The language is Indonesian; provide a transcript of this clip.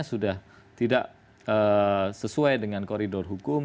sudah tidak sesuai dengan koridor hukum